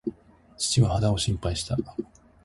父は肌を心配した。